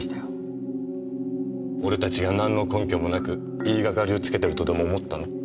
俺たちが何の根拠もなく言いがかりをつけてるとでも思ったの？